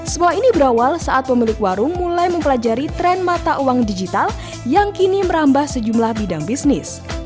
semua ini berawal saat pemilik warung mulai mempelajari tren mata uang digital yang kini merambah sejumlah bidang bisnis